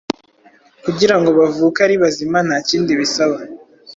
kugirango bavuke aribazima ntakindi bisaba